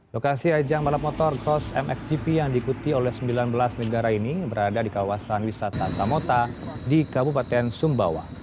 lokasi ajang balap motor cross mxgp yang diikuti oleh sembilan belas negara ini berada di kawasan wisata samota di kabupaten sumbawa